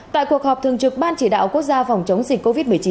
tại cuộc họp thường trực ban chỉ đạo quốc gia phòng chống dịch covid một mươi chín